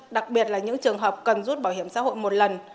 đặc biệt là những trường hợp cần rút bảo hiểm xã hội một lần